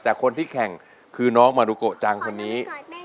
แต่คนที่แข่งคือน้องมารุโกะจังคนนี้